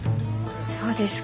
そうですか。